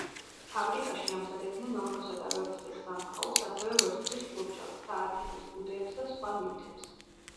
ფაბრიკაში ამზადებდნენ ოქროსა და ვერცხლის სამკაულს, ასევე ვერცხლის ჭურჭელს, საათების ბუდეებს და სხვა ნივთებს.